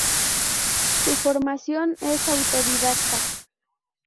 Su formación es autodidacta.